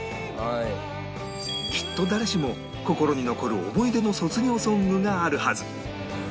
きっと誰しも心に残る思い出の卒業ソングがあるはず